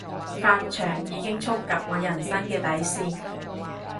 髮長已經觸及我人生嘅底線